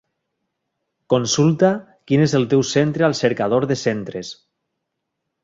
Consulta quin és el teu centre al cercador de centres.